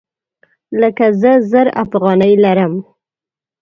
لکه زه زر افغانۍ لرم